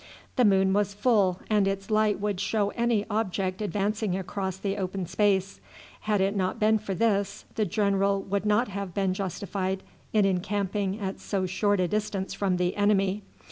The moon was full, and its light would show any object advancing across the open space. Had it not been for this the general would not have been justified in encamping at so short a distance from the enemy.